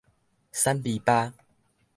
瘦卑巴